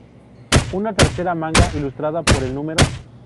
Una tercera manga, ilustrada por el No.